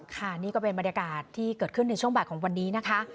ค่ะนี่ก็เป็นบรรยากาศที่เกิดขึ้นในช่วงบ่ายของวันนี้นะคะ